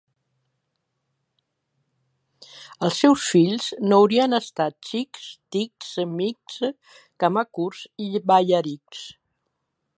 Els seus fills no haurien estat xics, tics, mics, camacurts i ballarics.